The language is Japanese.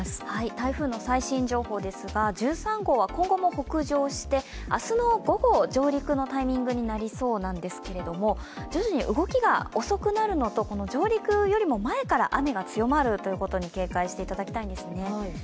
台風の最新情報ですが、１３号は今後も北上して明日の午後、上陸のタイミングになりそうなんですけど、徐々に動きが遅くなるのと上陸よりも前から雨が強まることに警戒していただきたいんです